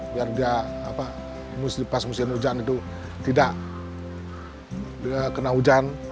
biar dia pas musim hujan itu tidak kena hujan